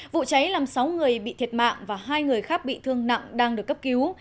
vụ cháy làm sáu người bị thiệt mạng và hai người khác bị thương nặng đang được cấp cứu